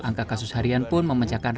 angka kasus harian pun memencahkan reaksinya